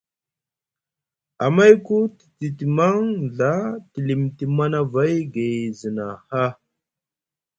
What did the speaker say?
Amayku te titimaŋ nɵa te limiti Manavay gay zna haa.